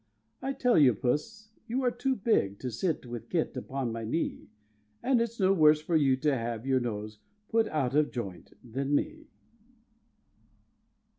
I tell you, puss, you are too big To sit with kit upon my knee, And it's no worse for you to have Your nose put out of joint than me.